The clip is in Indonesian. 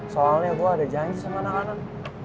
soalnya gue ada giant sama anak anak